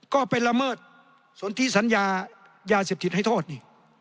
ก็ไปละเมิดสนที่สัญญายาเสพติดให้โทษนี่